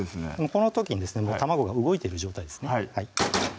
この時にですね卵が動いてる状態ですね